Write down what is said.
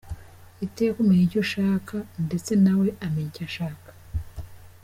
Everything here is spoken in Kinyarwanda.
Iteka umenya icyo ashaka ndetse na we amenya icyo ushaka.